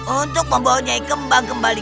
untuk membawanya kembang kembali